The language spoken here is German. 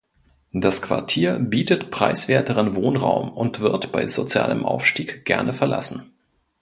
Das Quartier bietet preiswerteren Wohnraum und wird bei sozialem Aufstieg gerne verlassen.